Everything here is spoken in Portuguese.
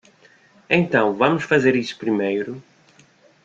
Então vamos fazer isso primeiro.